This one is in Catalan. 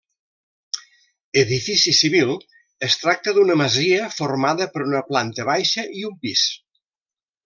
Edifici civil, es tracta d'una masia formada per una planta baixa i un pis.